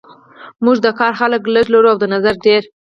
موږ د کار خلک لږ لرو او د نظر ډیر